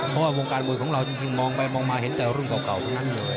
เพราะวงการมือของเราจริงมองมาเห็นแต่รุ่นเก่าเท่านั้นเลย